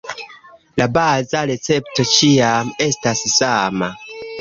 La baza recepto ĉiam estas sama.